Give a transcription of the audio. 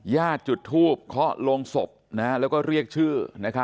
ญาติจุดทูบเขาลงศพนะฮะแล้วก็เรียกชื่อ